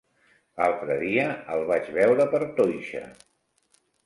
L'altre dia el vaig veure per Toixa.